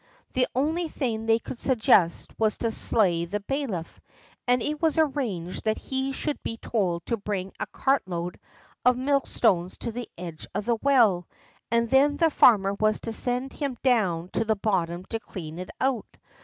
The only thing they could suggest was to slay the bailiff, and it was arranged that he should be told to bring a cartload of millstones to the edge of the well, and then the farmer was to send him down to the bottom to clean it out.